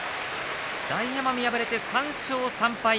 大奄美、敗れて３勝３敗。